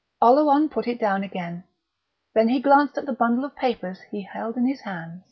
Oleron put it down again; then he glanced at the bundle of papers he held in his hand.